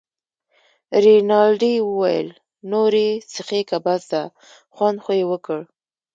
رینالډي وویل: نور یې څښې که بس ده، خوند خو یې وکړ.